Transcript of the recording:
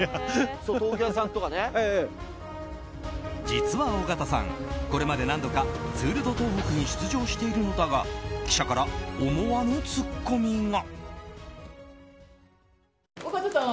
実は尾形さん、これまで何度かツール・ド・東北に出場しているのだが記者から思わぬツッコミが。